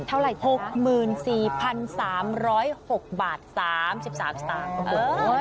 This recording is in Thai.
เท่าไหร่จ๊ะคะ๖๔๓๐๖๓๓บาทโอ้โห